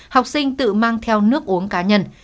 học sinh tự mang theo nước uống cá nhân